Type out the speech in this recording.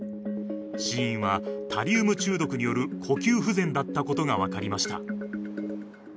死因はタリウム中毒による呼吸不全だったことが分かりました。